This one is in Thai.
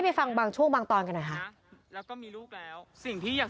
ไปฟังบางช่วงบางตอนกันหน่อยค่ะแล้วก็มีลูกแล้วสิ่งที่อยาก